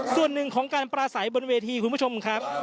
ส่วนหนึ่งของการปราศัยบนเวทีคุณผู้ชมครับ